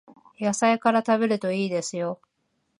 野菜から食べるといいですよ